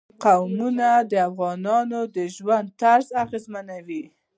قومونه د افغانانو د ژوند طرز اغېزمنوي.